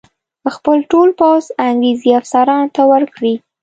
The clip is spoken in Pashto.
خپل ټول پوځ انګرېزي افسرانو ته ورکړي.